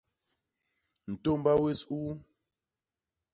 Ntômba wés uu.